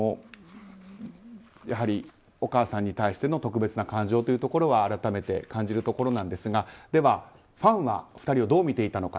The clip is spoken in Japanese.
やはりお母さんに対しての特別な感情を改めて感じるところなんですがでは、ファンは２人をどう見ていたのか。